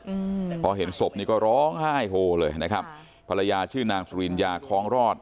อืมพอเห็นศพนี่ก็ร้องไห้โฮเลยนะครับภรรยาชื่อนางสุริญญาคล้องรอด